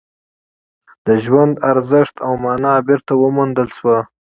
د ژوند ارزښت او مانا بېرته وموندل شوه